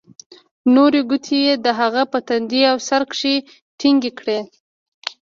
نورې گوتې يې د هغه په تندي او سر کښې ټينگې کړې.